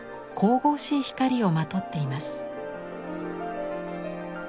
神々しい光をまとっています。